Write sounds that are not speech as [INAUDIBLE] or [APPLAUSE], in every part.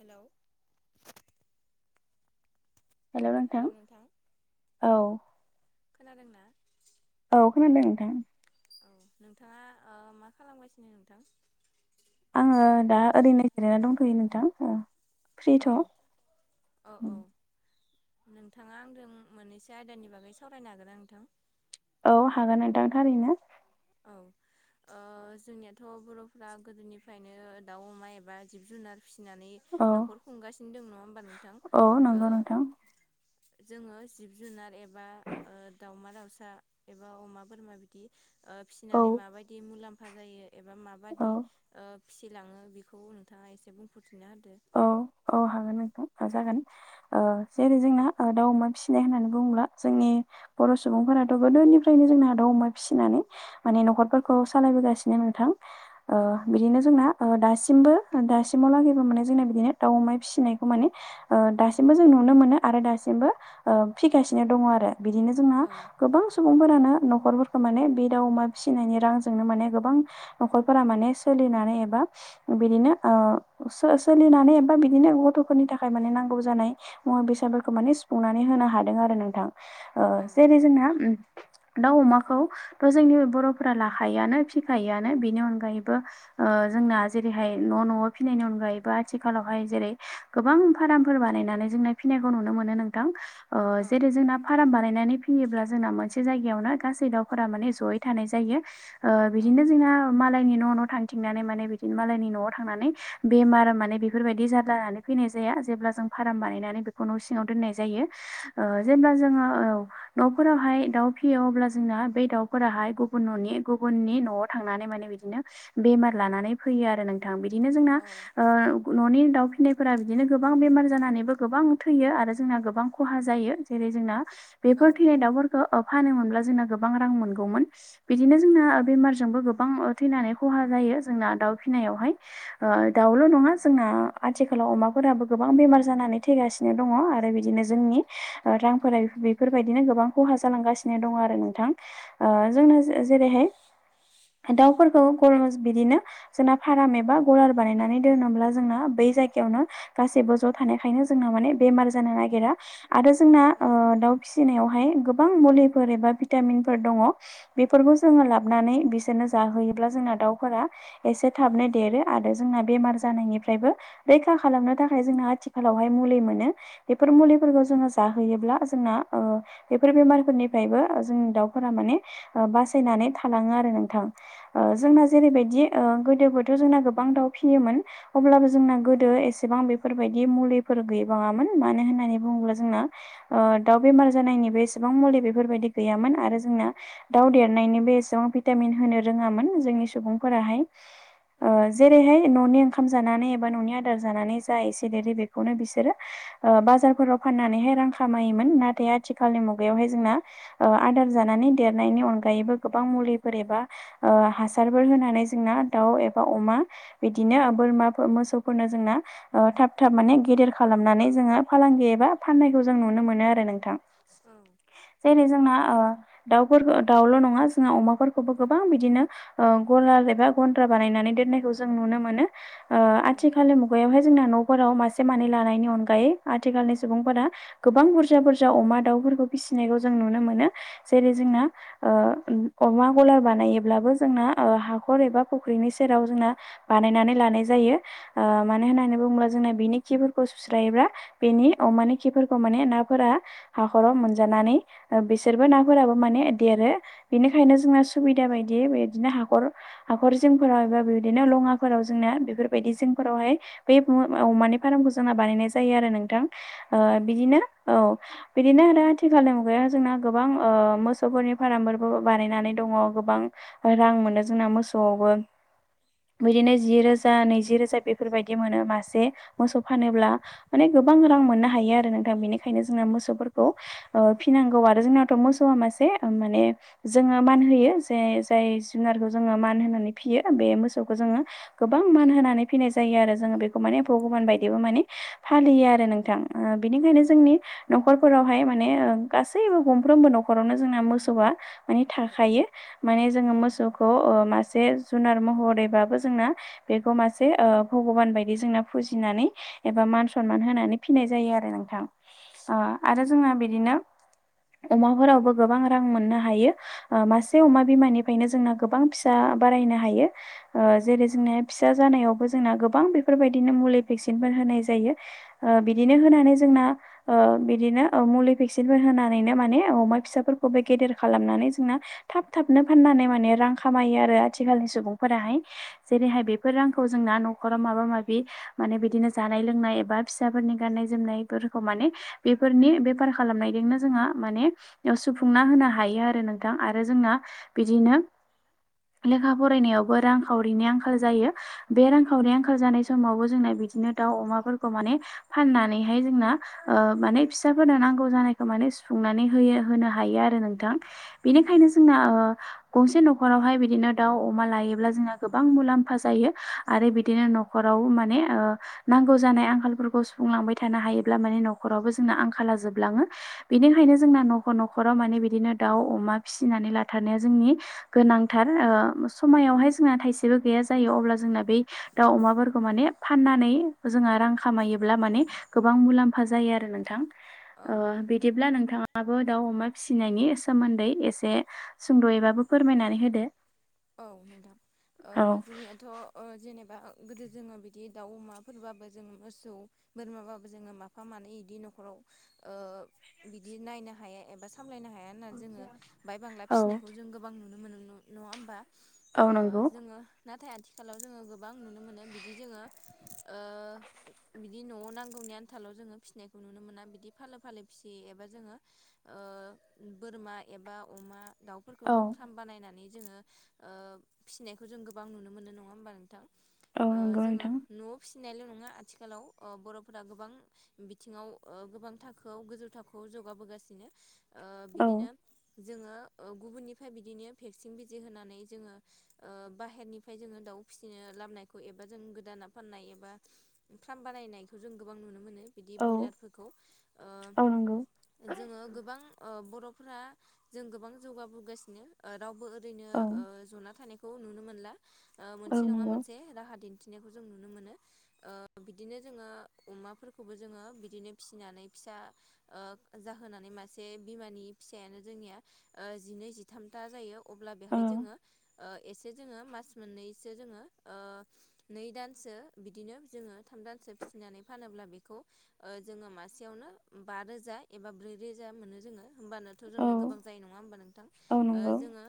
Hello hello नोंथां औ खोनादोंना? औ खोनादों नोंथां औ नोंथाङा ओ मा खालामगासिनो नोंथां? आङो दा ओरैनो जिरायनानै दंथ'यो नोंथां औ औ औ औ। नोंथाङा आंजों मोननैसो आयदानि बागै सावरायनो हागोन ना नोंथां? औ हागोन नोंथां थारैनो। औ। ओ जोंनियाथ' बर'फोरा गोदोनिफ्रायनो दाउ अमा एबा जिब जुनार फिसिनानै नखर खुंगासिनो दं नङा होमबा नोंथां ओ जोङो जिब जुनार एबा दावमा दाउसा एबा अमा बोरमा बिदि ओ फिसिनानै माबायदि मुलाम्फा जायो एबा माबादि ओ फिसिलाङो बेखौ नोंथाङा एसे बुंफोरथिना होदो। हागोन नोथां जागोन जेरै जोंना दाउ अमा फिसिनाय होननानै बुङोब्ला जोंनि बर' सुबुंफोराथ' गोदोनिफ्रायनो जोंना दाउ अमा फिसिनानै माने न'खरफोरखौ सालायबोगासिनो नोंथां। बिदिनो जोंना दासिमबो दासिमाव लागैबो माने जोंना बिदिनो दाउ अमाय फिसिनायखौ माने ओ दासिमबो जों नुनो मोनो आरो दासिमबो ओ फिगासिनो दङ' आरो बिदिनो जोंना गोबां सुबुंफोरानो न'खरफोरखौ माने बे दाउ अमा फिसिनायनि रांजोंनो माने गोबां न'खरफोरा माने सोलिनानै एबा बिदिनो ओ सोलिनानै एबा बिदिनो गथ'फोरनि थाखाय माने नांगौ जानाय मुवा बेसादफोरखौ माने सुफुंनानै होनो हादों आरो नोंथां। जेरै जोंना दाउ अमाखौथ' जोंनि बर'फोरा लाखायोआनो फिखायोआनो बेनि अनगायैबो जोंना जेरैहाय न' न'आव फिनायनि अनगायै बा आथिखालावहाय जेरै गोबां फार्मफोर बानायनानै जोंनाय फिनायखौ नुनो मोनो नोंथां। अ जेरै जोंना फार्म बानायनानै फैयोब्ला जोंना मोनसे जायगायावनो गासै दाउफोरा माने ज'यै थानाय जायो। ओ बिदिनो जोंना मालायनि न' न' थांथिंनानै माने बिदिनो मालायनि न'आव थांनानै बेमार माने बेफोरबायदि जादानानै फैनाय जाया जेब्ला जों फार्म बानायनानै बेखौ न' सिङाव दोननाय जायो। औ जेनेबा जोङो औ। न'फोरावहाय दाउ फिसियो अब्ला जोंना बेै दाउफोराहाय गुबुन न'नि गुबुननि न'आव थांनानै माने बिद दिनो बेमार लानानै फैयो आरो नोंथां बिदिनो जोंना ओ न'नि दाउ फिनायफोरा बिदिनो गोबां बेमार जानानैबो गोबां थैयो आरो जोंना गोबां खहा जायो। जेरै जोंना बेफोर थैनाय दाउफोरखौ फानो मोनब्ला जोंना गोबां रां मोनगौमोन। बिदिनो जोंना बेमारजोंबो गोबां थैनानै खहा जायो जोंना दाउ फिसिनायावहाय ओ दाउल' नङा जोंना आथिखालाव अमाफोराबो गोबां बेमार जानानै थैगासिनो दङ' आरो बिदिनो जोंनि ओ रांफोरा बेफोरबायदिनो गोबां खहा जालांगासिनो दङ' आरो नोंथां। ओ जोंनो जे जेरैहाय दाउफोरखौ [UNINTELLIGIBLE] बिदिनो जोंना फारम एबा ब बानायनानै दोनोब्ला जोंना बै जायगायावनो गासैबो ज' थानायखायनो जोंहा माने बेमार जानो नागिरा। आरो जोंना ओ दाउ फिसिनायावहाय गोबां मुलिफोर एबा भिटामिनफोर दङ'। बेफोरखौ जोङो लाबानै बिसोरनो जाहोयोब्ला जोंना दाउफोरा एसे थाबनाय देरो आरो जोंना बेमार जानायनिफ्रायबो रैखा खालामनो थाखाय जोंना आथिखालावहाय मुलि मोनो। बेफोर मुलिफोरखौ जोङो जाहोयोब्ला जोंना ओ बेफोर बेमारफोरनिफ्रायबो जोंनि दाउफोरा माने बासायनानै थालाङो आरो नोंथां। ओ जोंना जेरैबायदि गोदोबोथ' जोंना गोबां दाउ फिसियोमोन। अब्लाबो जोंना गोदो एसेबां बेफोरबायदि मुलिफोर गैबाङामोन मानो होननानै बुङोब्ला जोंना ओ दाउ बेमार जानायनि बेसेबां मुलि बेफोरबायदि गैयामोन आरो जोंना दाउ देरनायनिबो एसेबां भिटामिन होनो रोङामोन जोंनि सुबुंफोराहाय। ओ जेरैहाय न'नि ओंखाम जानानै एबा न'नि आदार जानानै जा एसे देरो बेखौनो बिसोरो ओ बाजारफोराव फाननानैहाय रां खामायोमोन नाथाय आथिखालनि मुगायावहाय जोंना ओ आदार जानानै देरनायनि अनगायैबो गोबां मुलिफोर एबा ओ हासारफोर होनानै जोंना दाउ एबा अमा बिदिनो बोरमाफोर मोसौफोरनो जोंना थाब थाब माने गेदेर खालामनानै जोङो फालांगि एबा फाननायखौ जों नुनो मोनो आरो नोंथां अ जेरै जोंना ओ दाउफोर दाउल' नङा जोंहा अमाफोरखौबो गोबां बिदिनो गलाल एबा गन्द्रा बानायनानै दोननायखौ जों नुनो मोनो। आथिखालनि मुगायावहाय जोंना न'फोराव मासे मानै लानायनि अनगायै आथिखालनि सुबुंफोरा गोबां बुरजा बुरजा अमा दाउफोरखौ फिसिनायखौ जों नुनो मोनो। जेरै जोंना ओ अमा गलार बानायोब्लाबो जोंना ओ हाखर एबा फुख्रिनि सेराव जोंना बानायनानै लानाय जायो मानो होननानै बुङोब्ला जोंना बिनि खिफोरखौ सुस्रायोब्ला बेनि अमानि खिफोरखौ माने नाफोरा हाखराव मोनजानानै बिसोरबो नाफोराबो माने देरो बेनिखायनो जोंना सुबिदा बायदियै बिदिनो हाखर हाखर जिंफोराव एबा बि बिदिनो लङाफोराव जोंना बेफोरबायदि जिंफोरावहाय बे अमानि फार्मखौ जोंना बानायनाय जायो आरो नोंथां बिदिनो औ बिदिनो आरो आथिखालनि मुगायाव जोंना गोबां मोसौफोरनि फारामफोरबो बानायनानै दङ गोबां रां मोनो जोंना मोसौआवबो बिदिनो जि रोजा नैजि रोजा बेफोरबायदि मोनो मासे मोसौ फानोब्ला माने गोबां रां मोननो हायो आरो नोंथां बेनिखायनो जोंना मोसौफोरखौ फिनांगौ आरो जोंनावथ' मोसौआ मासे माने जोङो मान होयो जे जाय जुनारखौ जोङो मान होनानै फियो बे मोसौखौ जोङो गोबां मान होनानै फिनाय जायो आरो जोङो बेखौ माने भगबान बायदिबो माने फालियो आरो नोंथां बिनिखायनो जोंनि न'खरफोरावहाय माने गासैबो गंफ्रोमबो नखरावनो जोंना मोसौआ माने थाखायो माने जोङो मोसौखौ मासे जुनार महरै बाबो जोंना बेखौ मासे भग'बान बायदि जोंना फुजिनानै एबा मान सनमान होनानै फिनाय जायो आरो नोंथां आरो जोंहा बिदिनो अमाफोरावबो गोबां रां मोननो हायो मासे अमा बिमानिफ्रायनो जोंना गोबां फिसा बारायनो हायो जेरै जों फिसा जानायावबो जोंना गोबां बेफोरबायदिनो मुलि भेक्सिनफोर होनाय जायो। बिदिनो होनानै जोंना बिदिनो मुलि भेक्सिनफोर होनानैनो माने अमा फिसाफोरखौबो गेदेर खालामनानै जोंना थाब थाबनो फाननानै माने रां खामायो आरो आथिखालनि सुबुंफोराहाय जेरैहाय बेफोर रांखौ जोंना न'खराव माबा माबि माने बिदिनो जानाय लोंनाय एबा फिसाफोरनि गाननाय जोमनायफोरखौ माने बेफोरनि बेफार खालामनायजोंनो जोंहा माने याव सुफुंना होनो हायो आरो नोंथां आरो जोंना बिदिनो लेखा फरायनायावबो रांखावरिनि आंखाल जायो। बे रांखावरि आंखाल जानाय समावबो जोंना बिदिनो दाउ अमाफोरखौ माने फाननानैहाय जोंना माने फिसाफोरनो नांगौ जानायखौ माने सुफुंनानै होयो होनो हायो आरो नोंथां। बेनिखायनो जोंना गंसे न'खरावहाय बिदिनो दाउ अमा लायोब्ला जोंना गोबां मुलाम्फा जायो आरो बिदिनो न'खराव माने नांगौ जानाय आंखालफोरखौ सुफुंलांबाय थानो हायोब्ला माने न'खरावबो जोंना आंखाला जोबलाङो। बेनिखायनो जोंना न'। नख न'खराव माने बिदिनो दाउ अमा फिसिनानै लाथारनाया जोंनि गोनांथार। समायावहाय जोंहा थाइसेबो गैया जायो अब्ला जोंना बै। दाउ अमाफोरखौ माने फाननानै जोंहा रां खामायोब्ला माने। गोबां मुलाम्फा जायो आरो नोंथां ओ बिदिब्ला नोंथाङाबो दाउ अमा फिसिनायनि सोमोन्दै एसे। सुंद' एबाबो फोरमायनानै होदो। औ नोंथां जोंनियाथ' जेनेबा गोदो जोङो बिदि दाउ अमाफोरबाबो जोो मोसौ। बोरमाबाबो जोङो माफा मानै बिदि न'खराव। बिदि नायनो हाया एबा सामलायनो हाया। होनना जोङो बाहाय बांला फिसिनायखौ जों गोबां नुनो मोनो नङा होमबा। जोङो। नाथाय आथिखालाव जोङो गोबां नुनो मोनो बिदि जोङो ओ बिदि न'आव नांगौनि आनथाल' जोङो फिसिनायखौ नुनो मोना बिदि फालो फालो फिसियो एबा जोङो। ओ बोरमा एबा अमा। दाउफोरखौ जों फार्म बानायनानै जोङो ओ फिसिनायखौ जों गोबां नुनो मोनो नङा होमबा नोंथां। ओ जोङो न'आव फिसिनायल' नङा आथिखालाव ओ बर'फोरा गोबां। बिथिङाव ओ गोबां थाखोआव गोजौ थाखोआव जौगाबोगासिनो। ओ बिदिनो जोङो गुबुननिफ्राय बिदिनो भेक्सिन बिजि होनानै। जोङो ओ बाहेरनिफ्राय जोङो दाउ फिसिनो लामनायखौ एबा जों गोदाना फाननाय एबा। फार्म बानायनायखौ जों गोबां नुनो मोनो बिदि ब्रयलारफोरखौ ओ जोङो गोबां ओ बर'फोरा जों गोबां जौगाबोगासिनो। ऐ रावबो ओरैनो ओ ज ओ ना थानायखौ नुनो मोनला मोनसे नङा मोनसे राहा दिन्थिनायखौ जों नुनो मोनो। ओ बिदिनो जोङो अमाफोरखौबो जोङो बिदिनो फिसिनानै फिसा। ओ जाहोनानै मासे बिमानि फिसायानो जोंनिया ओ जिनै जिथामथा जायो। अब्ला बेहाय जोङो ओ एसे जोङो मास मोननैसो जोङो ओ नै दानसो बिदिनो जोङो थाम दानसो फिसिनानै फानोब्ला बेखौ ओ जोङो मासेयावनो बा रोजा एबा ब्रै रोजा मोनो जोङो। होमबानोथ' जोंनो गोबां जायो नङा होमबा नोंथां ओ जोङो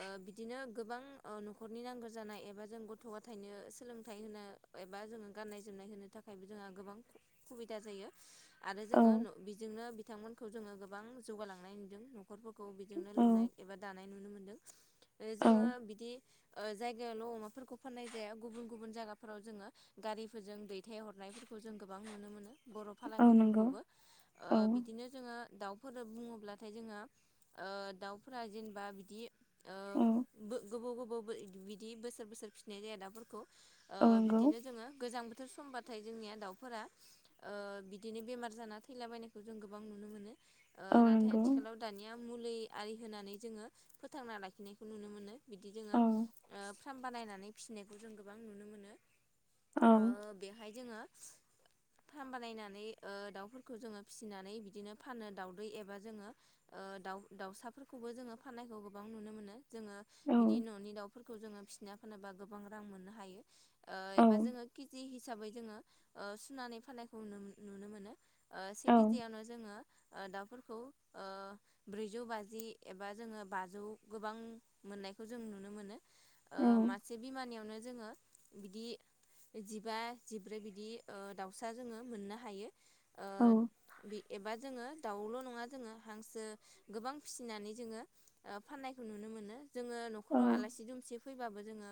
ओ बिदिनो गोबां ओ न'खरनि नांगौ जानाय एबा जों गथ' गथायाइनो सोलोंथाइ होनो। एबा जोङो गाननाय जोमनाय होनो थाखायबो जोंहा गोबां सुबिदा जायो। आरो जोङो बेजोंनो बिथांमोनखौ जोङो गोबां जौगालांनाय नुदों न'खरफोरखौ बेजोंनो लुनाय। एबा दानाय नुनो मोन्दों। जोङो बिदि ओ जायगायावाल' अमाफोरखौ फाननाय जाया गुबुन गुबुन जायगाफोराव जोङो। गारिफोरजों दैथायहरनायफोरखौ जों गोबां नुनो मोनो। बर' फालांगिफोरखौबो ओ बिदिनो। जोङो दाउफोर बुङोब्लाथाय जोङो ओ दाउफोरा जेनेबा बिदि ओ बो गोबाव गोबाव बिदि बोसोर बोसोर फिनाय जाया दाफोरखौ। ओ बिदिनो जोङो गोजां बोथोर समबा नाथाय जोंनिया दाउफोरा ओ बिदिनो बेमार जाना थैलाबायनायखौ जों गोबां नुनो मोनो। ओ नाथाय आथिखालाव दानिया मुलि आरि होनानै जोङो फोथांना लाखि आखिनायखौ नुनो मोनो बिदि जोङो फार्म बानायनानै फिसिनायखौ जों गोबां नुनो मोनो ओ बेहाय जोङो फार्म बानायनानै ओ दाउफोरखौ जोङो फिसिनानै बिदिनो फानो दाउदै एबा जोङो। ओ दाउ दाउसाफोरखौबो जोङो फाननायखौ गोबां नुनो मोनो। जोङो बिदि न'नि दाउफोरखौ जोङो फिसिना फानोबा गोबां रां मोननो हायो। ओ एबा जोङो केजि हिसाबै जोङो ओ सुनानै फाननायखौ नुनो मोनो। ओ से केजियावनो जोङो ओ दाउफोरखौ ओ ब्रैजौ बाजि एबा जोङो बाजौ गोबां मोननायखौ जों नुनो मोनो ओ मासे बिमानियावनो जोङो बिदि जिबा जिब्रै बिदि ओ दाउसा जोङो मोननो हायो। ओ एबा जोङो दाउल' नङा जोङो हांसो गोबां फिसिनानै जोङो फाननायखौ नुनो मोनो जोङो न'खराव आलासि दुमसि फैबाबो जोङो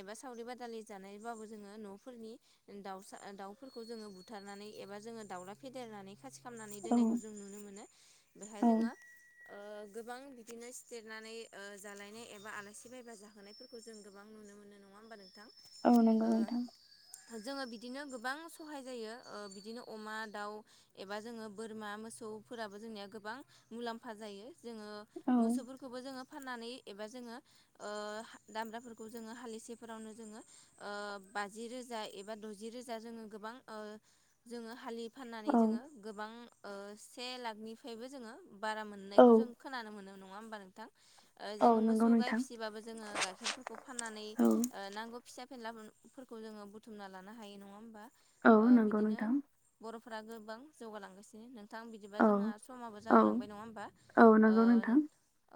एबा सावरि बादालि जानायबाबो जोङो न'फोरनि दाउसा दाउफोरखौ जोङो बुथारनानै एबा जोङो दाउला फेदेरनानै खासि खालामामनानै दोननायखौ जों नुनो मोनो बेहाय जोङो ओ गोबां बिदिनो सिथारनानै ओ जालायनाय एबा आलासि फैबा जाहोनायफोरखौ जों गोबां नुनो मोनो नङा होमबा नोंथां ओ जोङो बिदिनो गोबां सहाय जायो ओ बिदिनो अमा दाउ एबा जोङो बोरमा मोसौफोराबो जोंनिया गोबां मुलाम्फा जायो जोङो मोसौफोर खौबो जोङो फाननानै एबा जोङो ओ दामब्राफोरखौ जोङो हालिसेफोरावनो जोङो ओ बाजि रोजा एबा द'जि जि रोजा जोङो गोबां ओ जोङो हालि फाननानै जोङो गोबां से लाखनिफ्रायबो जोङो बारा मोननायखौ जों खोनानो मोनो नङा होमबा नोंथां जोङो मोसौ गाइ फिसिबाबो जोङो गाइखेरफोरखौ फाननानै नांगौ फिसा फेनलाफोरखौ जोङो बुथुमना लानो हायो नङा होमबा बिदिनो बर'फोरा गोबां जौगालांगासिनो नों नोंथां बिदिबा जोंहा समाबो जाहोलांबाय नङा होमबा ओ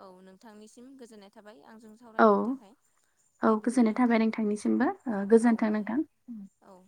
औ नोंथांनिसिम गोजोननाय थाबाय आंजों सावरायनायनि थाखाय दे बिदिब्ला नोंथां औ दे औ